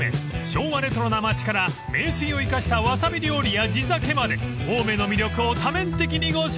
［昭和レトロな街から名水を生かしたわさび料理や地酒まで青梅の魅力を多面的にご紹介］